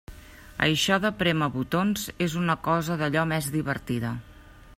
Això de prémer botons és una cosa d'allò més divertida.